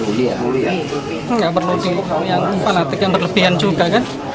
nggak perlu tinggalkan yang fanatik yang berlebihan juga kan